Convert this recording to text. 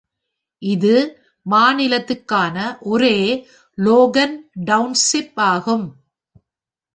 இது மாநிலத்துக்கான ஒரே Logan township ஆகும்.